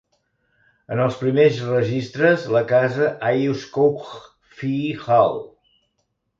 En els primers registres la casa Ayscough Fee Hall.